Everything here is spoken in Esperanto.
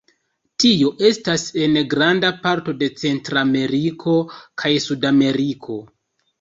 Tio estas en granda parto de Centrameriko kaj Sudameriko.